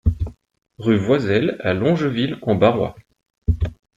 Rue Voiselle à Longeville-en-Barrois